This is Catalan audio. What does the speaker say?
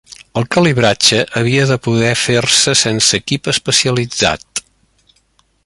El calibratge havia de poder fer-se sense equip especialitzat.